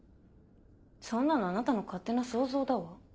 そんなのあなたの勝手な想像だわ。